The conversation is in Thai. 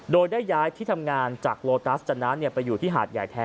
โดยได้ย้ายที่ทำงานจากโลตัสจัดน้ำ